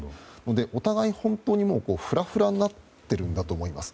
お互い本当にふらふらになっているんだと思います。